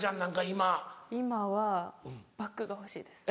今はバッグが欲しいです。